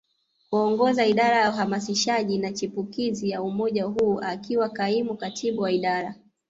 kuongoza Idara ya Uhamasishaji na Chipukizi ya umoja huu akiwa kaimu katibu wa idara